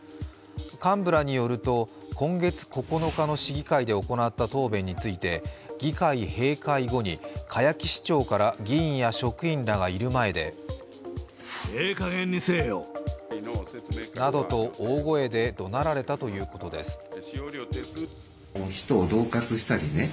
幹部らによると、今月９日の市議会で行った答弁について議会閉会後の栢木市長から議員や職員らがいる前でなどと大声でどなられたということです。